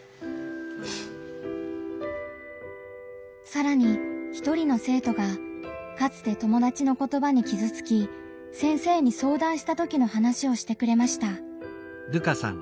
さらに一人の生徒がかつて友達の言葉にきずつき先生に相談したときの話をしてくれました。